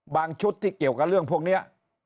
ชุดที่เกี่ยวกับเรื่องพวกนี้